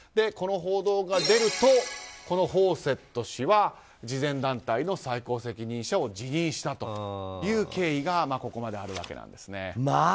この報道が出るとこのフォーセット氏は慈善財団の最高責任者を辞任したという経緯があるわけなんですね。